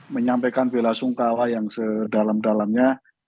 menyampaikan bela sungkawa yang sedalam dalamnya